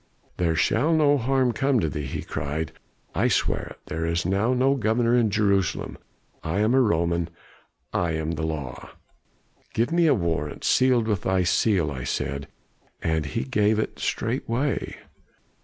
"'There shall no harm come to thee,' he cried, 'I swear it. There is now no governor in Jerusalem. I am a Roman. I am the law.' "'Give me a warrant sealed with thy seal,' I said. And he gave it straightway."